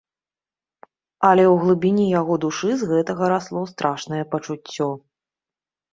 Але ў глыбіні яго душы з гэтага расло страшнае пачуццё.